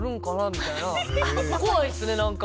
みたいな怖いっすね何か。